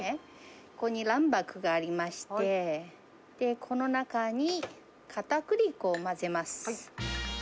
ここに卵白がありまして、この中にかたくり粉を混ぜます。